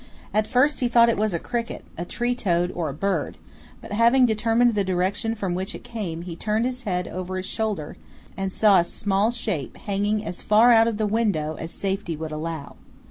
At first he thought it was a cricket, a tree toad, or a bird, but having determined the direction from which it came, he turned his head over his shoulder and saw a small shape hanging as far out of the window as safety would allow.